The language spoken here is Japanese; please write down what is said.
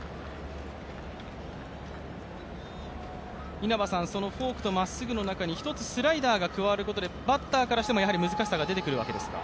稲葉さん、フォークとまっすぐの中に一つスライダーが加わることでバッターからしても難しさが出てくるわけですか。